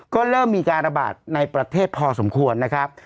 ก็เริ่มมีการระบาดในประเทศพอสมควรนะครับ